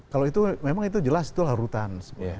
kalau itu memang jelas itu rutan